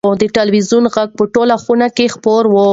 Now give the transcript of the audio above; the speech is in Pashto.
د تلویزون غږ په ټوله خونه کې خپور و.